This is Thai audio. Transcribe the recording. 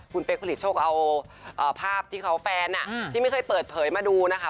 คุณเป๊กผลิตโชคเอาภาพที่เขาแฟนที่ไม่เคยเปิดเผยมาดูนะคะ